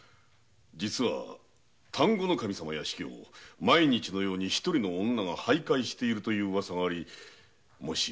実は丹後守様屋敷を毎日のように一人の女が徘徊しているというウワサがありもしやその女が阿片を運んでいるのではと。